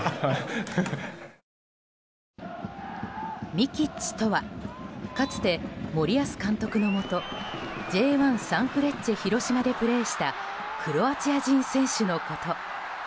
ミキッチとはかつて、森保監督のもとＪ１、サンフレッチェ広島でプレーしたクロアチア人選手のこと。